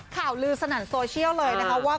ข่าวลือสนั่นโซเชียลเลยนะคะว่า